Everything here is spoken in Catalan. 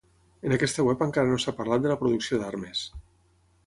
En aquesta web encara no s'ha parlat de la producció d'armes.